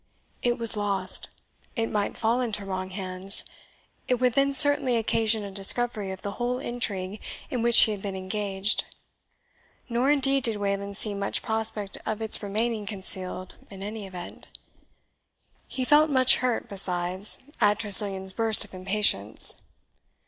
It was lost it might fall into wrong hands it would then certainly occasion a discovery of the whole intrigue in which he had been engaged; nor, indeed, did Wayland see much prospect of its remaining concealed, in any event. He felt much hurt, besides, at Tressilian's burst of impatience.